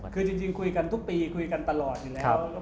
คุยกันทุกปีคุยกันตลอดแล้ว